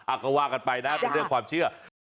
ก็ว่ากันไปนะเป็นเรื่องความเชื่อ